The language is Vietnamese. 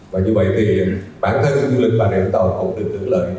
và như vậy thì bản thân du lịch bà rịa vũng tàu cũng được hưởng lợi